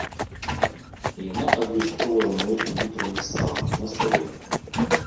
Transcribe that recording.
Яна адлюстроўвае мой унутраны стан, настрой.